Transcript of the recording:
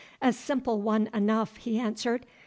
"A simple one enough," he answered.